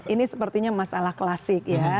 ini sepertinya masalah klasik ya